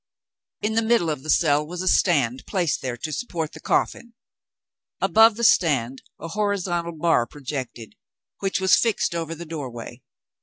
In the middle of the cell was a stand, placed there to support the coffin. Above the stand a horizontal bar projected, which was fixed over the doorway.